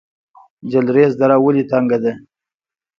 جلریز دره ولې تنګه ده؟